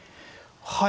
はい。